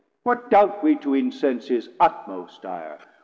what doubt we to incense His utmost ire?